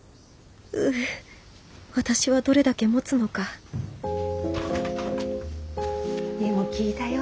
うう私はどれだけもつのかでも聞いたよ。